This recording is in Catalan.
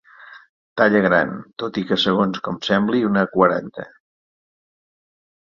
Talla gran, tot i que segons com sembli una quaranta.